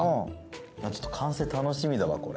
ちょっと完成楽しみだわこれ。